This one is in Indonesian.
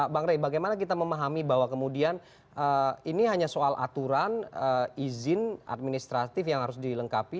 bang rey bagaimana kita memahami bahwa kemudian ini hanya soal aturan izin administratif yang harus dilengkapi